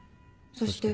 そして」。